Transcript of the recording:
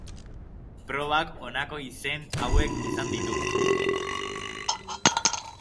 Probak honako izen hauek izan ditu.